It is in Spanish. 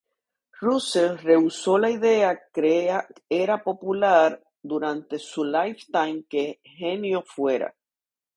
Russell rehusó la idea crea era popular durante su lifetime que, "genio fuera.